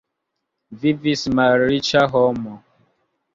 Vivis malriĉa homo.